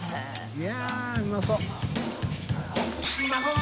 いやっうまそう。